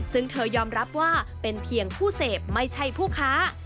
ซึ่งเธอยอมรับว่าเป็นเพียงผู้เสพไม่ใช่ผู้ค้า